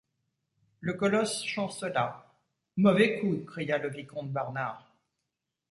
Le colosse chancela. — Mauvais coup ! cria le vicomte Barnard.